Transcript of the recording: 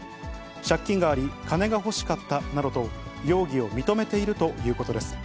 借金があり、金が欲しかったなどと容疑を認めているということです。